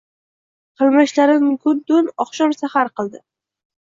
Qilmishlarin kun-tun, oqshom-sahar qildi.